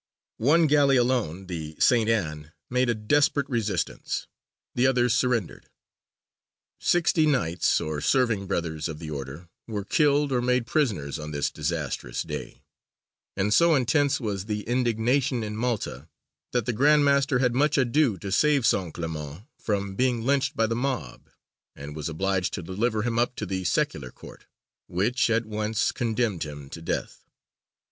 One galley alone, the St. Ann, made a desperate resistance; the others surrendered. Sixty Knights or Serving Brothers of the Order were killed or made prisoners on this disastrous day, and so intense was the indignation in Malta, that the Grand Master had much ado to save Saint Clément from being lynched by the mob, and was obliged to deliver him up to the secular court, which at once condemned him to death.